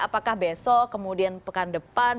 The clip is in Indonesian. apakah besok kemudian pekan depan